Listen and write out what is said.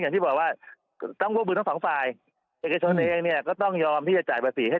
อย่างที่บอกว่าต้องควบคุมทั้งสองฝ่ายเนี้ยก็ต้องยอมที่จะจ่ายภาษีให้